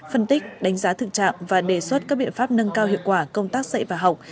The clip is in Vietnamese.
phân tích đánh giá thực trạng và đề xuất các biện pháp nâng cao hiệu quả công tác dạy và học